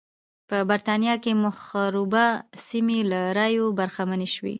په برېټانیا کې مخروبه سیمې له رایو برخمنې شوې.